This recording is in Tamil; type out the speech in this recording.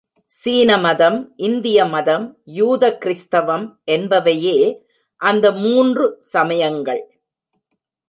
சீன மதம், இந்திய மதம், யூத கிறிஸ்தவம் என்பவையே அந்த மூன்று சமயங்கள்.